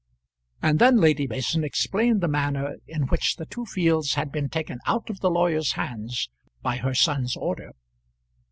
And then Lady Mason explained the manner in which the two fields had been taken out of the lawyer's hands by her son's order.